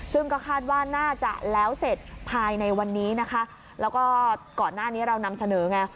ซึ่งก็คาดว่าน่าจะแล้วเสร็จภายในวันนี้นะคะแล้วก็ก่อนหน้านี้เรานำเสนอไง